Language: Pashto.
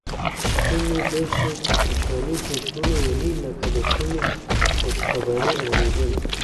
سپی مې داسې په خوشحالۍ ټوپونه وهي لکه د کومې خوشخبرۍ اوریدل.